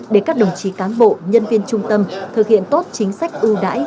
để các đồng chí cán bộ nhân viên trung tâm thực hiện tốt chính sách ưu đãi